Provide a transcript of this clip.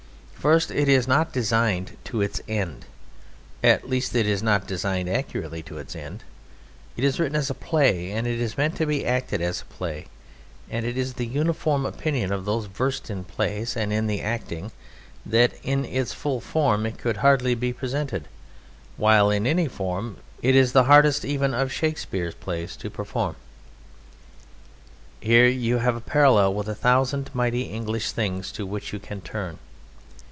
First, it is not designed to its end; at least it is not designed accurately to its end; it is written as a play and it is meant to be acted as a play, and it is the uniform opinion of those versed in plays and in acting that in its full form it could hardly be presented, while in any form it is the hardest even of Shakespeare's plays to perform. Here you have a parallel with a thousand mighty English things to which you can turn.